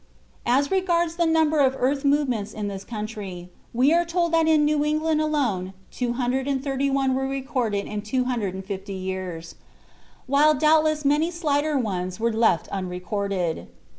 As regards the number of earth movements in this country, we are told that in New England alone 231 were recorded in two hundred and fifty years, while doubtless many slighter ones were left unrecorded.